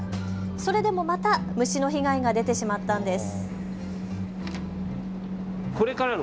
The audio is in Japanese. それでもまた虫の被害が出てしまったんです。